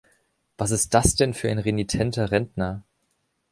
Was ist das denn für ein renitenter Rentner?